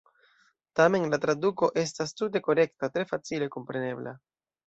Tamen la traduko estas "tute korekta, tre facile komprenebla.